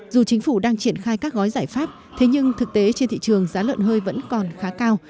dù chính phủ đang triển khai các gói giải pháp thế nhưng thực tế trên thị trường giá lợn hơi vẫn còn khá cao